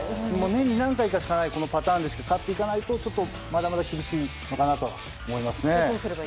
年に何回かしかないこのパターンで勝っていかないとまだまだ厳しいのかなと思います。